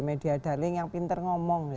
media darling yang pinter ngomong